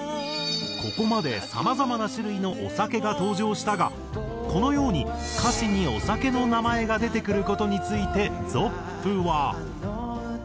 ここまでさまざまな種類のお酒が登場したがこのように歌詞にお酒の名前が出てくる事についてｚｏｐｐは。